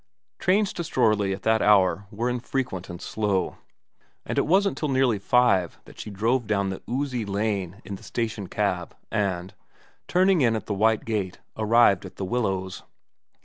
VERA 289 Trains to Strorley at that hour were infrequent and slow, and it wasn't till nearly five that she drove down the oozy lane in the station cab and, turning in at the white gate, arrived at The Willows.